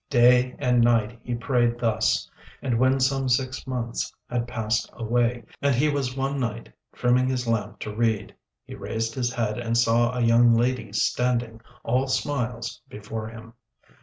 Day and night he prayed thus, and when some six months had passed away, and he was one night trimming his lamp to read, he raised his head and saw a young lady standing, all smiles, before him.